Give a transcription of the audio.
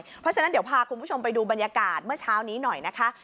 เพราะฉะนั้นเดี๋ยวพาคุณผู้ชมไปดูบรรยากาศเมื่อเช้านี้หน่อยนะคะ